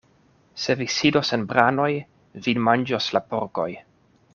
Se vi sidos en branoj, vin manĝos la porkoj.